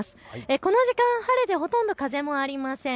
この時間、晴れてほとんど風もありません。